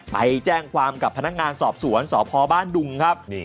ไปแจ้งความกับพนักงานสอบสวนสพบ้านดุงครับ